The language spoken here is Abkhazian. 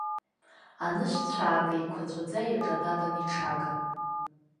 Анышә цәаакы еиқәаҵәаӡа иаҿататан иҽага.